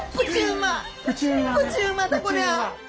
プチうまだこりゃ！